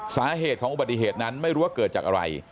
สาเหตุของอุบัติเหตุนั้นไม่รู้ว่าเกิดจากอะไร